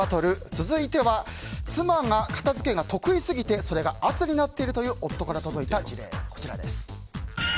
続いては妻が片付けが得意すぎてそれが圧になっているという夫から届いた事例、こちらです。